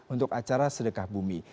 untuk acara sedekah bumi